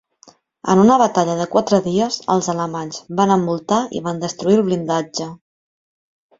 En una batalla de quatre dies, els alemanys van envoltar i van destruir el blindatge.